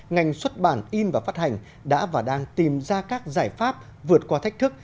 ngành xuất bản in và phát hành đã và đang tìm ra các giải pháp vượt qua thách thức